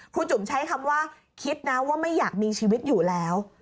จุ๋มใช้คำว่าคิดนะว่าไม่อยากมีชีวิตอยู่แล้ว